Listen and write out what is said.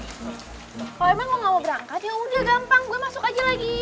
kalau emang gue gak mau berangkat yaudah gampang gue masuk aja lagi